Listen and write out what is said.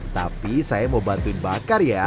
tapi saya mau bantuin bakar ya